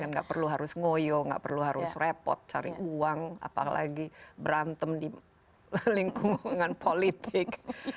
nggak perlu harus ngoyo nggak perlu harus repot cari uang apalagi berantem di lingkungan politik